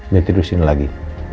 dia tidur di sini lagi